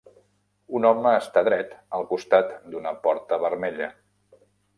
Un home està dret al costat d'una porta vermella.